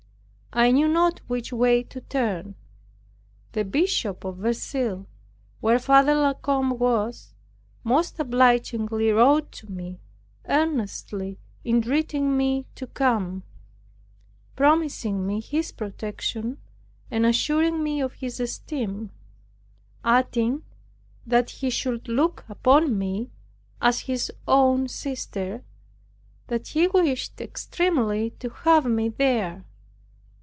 I knew not which way to turn. The Bishop of Verceil, where Father La Combe was, most obligingly wrote to me, earnestly entreating me to come, promising me his protection, and assuring me of his esteem, adding, "that he should look upon me as his own sister; that he wished extremely to have me there."